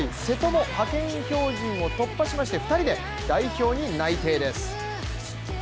瀬戸も派遣標準を突破しまして２人で代表に内定です。